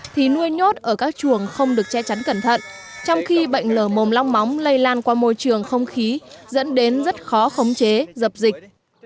thì nuôi nhốt ở các chuồng không được che chắn cẩn thận trong khi bệnh lở mồm long móng lây lan qua môi trường không khí dẫn đến rất khó khống chế dập dịch